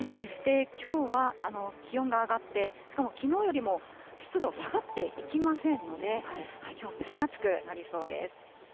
きょうは気温が上がって、しかも、きのうよりも湿度下がっていきませんので、きょうは蒸し暑くなりそうです。